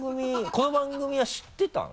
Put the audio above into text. この番組は知ってたの？